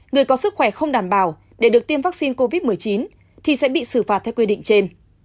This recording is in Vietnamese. người có sức khỏe không đảm bảo để được tiêm vaccine covid một mươi chín thì sẽ bị xử phạt theo quy định trên